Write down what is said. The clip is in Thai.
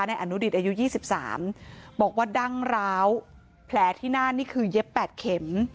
อนุดิตอายุ๒๓บอกว่าดั้งร้าวแผลที่หน้านี่คือเย็บ๘เข็ม